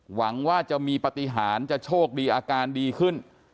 หวังว่าจะมีปฏิหารจะโชคดีอาการดีขึ้น